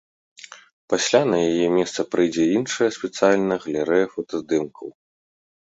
Пасля на яе месца прыйдзе іншая спецыяльная галерэя фотаздымкаў.